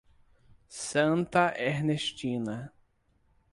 Santa Ernestina